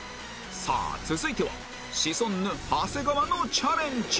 さあ続いてはシソンヌ長谷川のチャレンジ